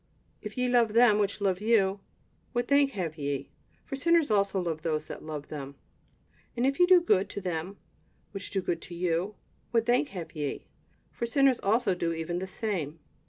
"If ye love them which love you, what thank have ye? for sinners also love those that love them. And if ye do good to them which do good to you, what thank have ye? for sinners also do even the same.